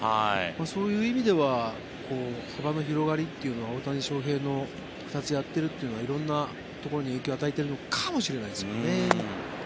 そういう意味では幅の広がりというのが大谷翔平の２つやっているというのが色んなところに影響を与えているのかもしれないですね。